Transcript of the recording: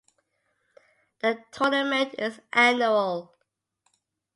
The tournament is annual.